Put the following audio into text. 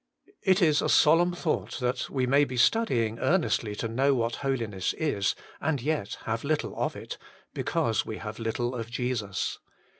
2. It Is a solemn thought that we may be studying earnestly to know what holiness is, and yet have little of it, because we have little of Jesus.